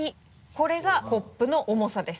これがコップの重さです。